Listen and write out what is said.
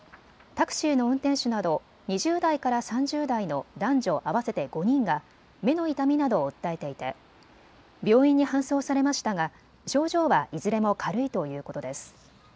タクシーの運転手など２０代から３０代の男女合わせて５人が目の痛みなどを訴えていて、病院に搬送されましたが症状はいずれも軽いということです。